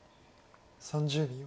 ３０秒。